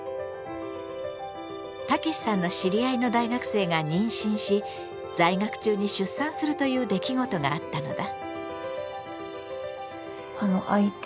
たけしさんの知り合いの大学生が妊娠し在学中に出産するという出来事があったのだ。